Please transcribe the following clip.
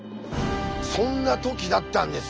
そんな時だったんです。